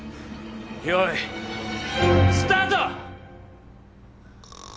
用意スタート！